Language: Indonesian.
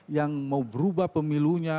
yang mau berubah pemilunya